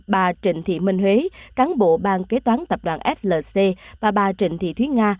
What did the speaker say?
bà trịnh thị minh huế cán bộ bang kế toán tập đoàn flc và bà trịnh thị thúy nga